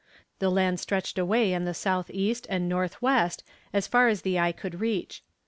The land stretched away in the south east and north west as far as the eye could reach.